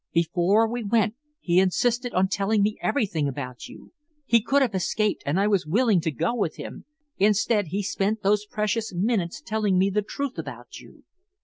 Before we went, he insisted on telling me everything about you. He could have escaped, and I was willing to go with him. Instead, he spent those precious minutes telling me the truth about you.